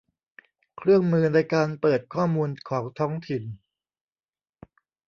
เครื่องมือในการเปิดข้อมูลของท้องถิ่น